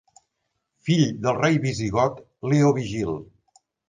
Fill del rei visigot Leovigild.